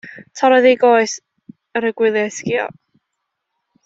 Torrodd ei goes ar y gwyliau sgïo.